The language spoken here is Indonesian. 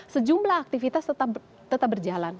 sejumlah aktivitas tetap berjalan